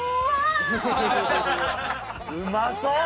うまそう！